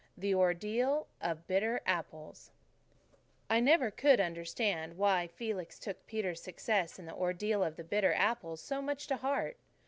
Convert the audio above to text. THE ORDEAL OF BITTER APPLES I could never understand why Felix took Peter's success in the Ordeal of Bitter Apples so much to heart.